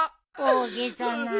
大げさな。